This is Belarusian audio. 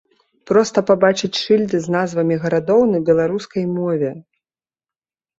Проста пабачыць шыльды з назвамі гарадоў на беларускай мове!